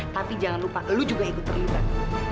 tapi jangan lupa lu juga ikut terlibat